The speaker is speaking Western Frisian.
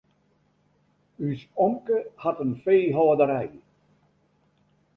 Us omke hat in feehâlderij.